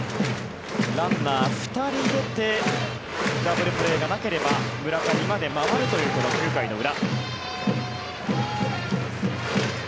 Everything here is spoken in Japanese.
ランナー２人出てダブルプレーがなければ村上まで回るというこの９回の裏。